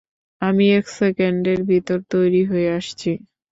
আমি এক সেকেন্ডের ভিতর তৈরি হয়ে আসছি।